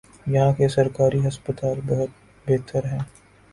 یہاں کے سرکاری ہسپتال بہت بہتر ہیں۔